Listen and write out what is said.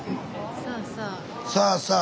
さあさあ！